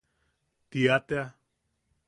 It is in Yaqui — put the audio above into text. ¡Tia tea!